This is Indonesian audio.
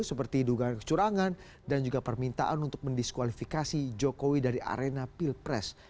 seperti dugaan kecurangan dan juga permintaan untuk mendiskualifikasi jokowi dari arena pilpres